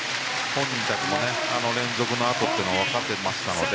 本人たちも連続のあとだと分かっていましたので